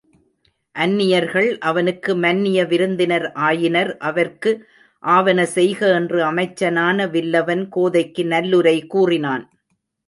அந்நியர்கள் அவனுக்கு மன்னிய விருந்தினர் ஆயினர் அவர்க்கு ஆவன செய்க என்று அமைச்சனான வில்லவன் கோதைக்கு நல்லுரை கூறினான்.